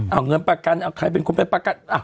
เอาเงินประกันเอาใครเป็นคนไปประกัน